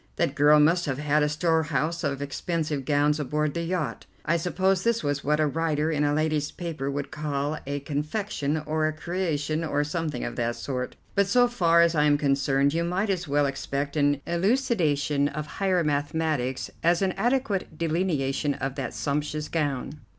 That girl must have had a storehouse of expensive gowns aboard the yacht. I suppose this was what a writer in a lady's paper would call a confection, or a creation, or something of that sort; but so far as I am concerned you might as well expect an elucidation of higher mathematics as an adequate delineation of that sumptuous gown.